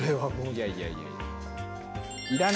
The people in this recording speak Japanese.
いやいやいやいや。